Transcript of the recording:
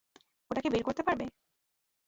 ওটাকে বের করতে পারবে?